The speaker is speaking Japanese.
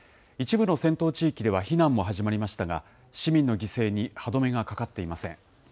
一部の戦闘地域では避難も始まりましたが、市民の犠牲に歯止めがかかっていません。